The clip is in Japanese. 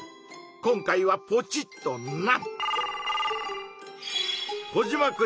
今回はポチッとな！